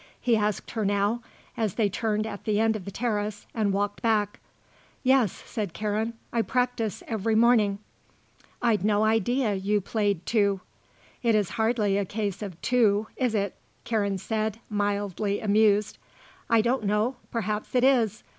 he asked her now, as they turned at the end of the terrace and walked back. "Yes," said Karen; "I practise every morning." "I'd no idea you played, too." "It is hardly a case of 'too', is it," Karen said, mildly amused. "I don't know. Perhaps it is.